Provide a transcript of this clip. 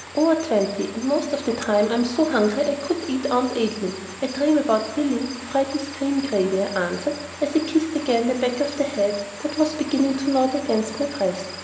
"Over twenty, and most of the time I am so hungry I could eat Aunt Adeline. I dream about Billy, fried with cream gravy," I answered, as I kissed again the back of the head that was beginning to nod down against my breast.